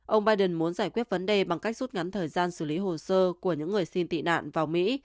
ông biden muốn giải quyết vấn đề bằng cách rút ngắn thời gian xử lý hồ sơ của những người xin tị nạn vào mỹ